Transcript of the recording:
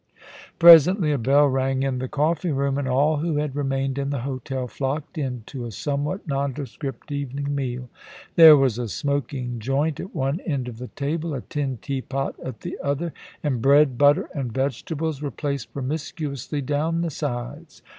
Presently a bell rang in the coffee room, and all who had remained in the hotel flocked in to a somewhat nondescript evening meaL There was a smoking joint at one end of the table, a tin teapot at the other, and bread, butter and vegetables were placed promiscuously down the sides.